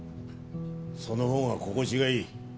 そのほうが心地がいい。